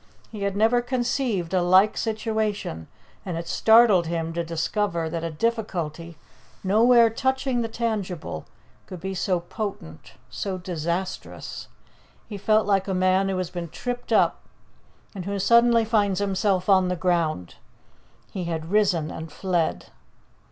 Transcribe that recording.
He had never conceived a like situation, and it startled him to discover that a difficulty, nowhere touching the tangible, could be so potent, so disastrous. He felt like a man who has been tripped up and who suddenly finds himself on the ground. He had risen and fled.